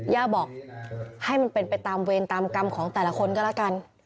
ย่าบอกให้มันเป็นไปตามเวรตามกรรมของแต่ละคนก็แล้วกัน